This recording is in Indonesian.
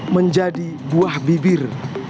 menjadi buah bibir